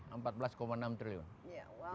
ya luar biasa